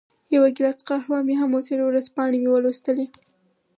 یو ګیلاس قهوه مې هم وڅېښل، ورځپاڼې مې ولوستې.